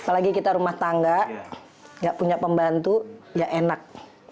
apalagi kita rumah tangga gak punya pembantu ya enak